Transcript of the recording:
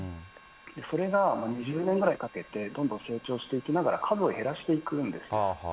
それが２０年ぐらいかけてどんどん成長していきながら、数を減らしていくんです。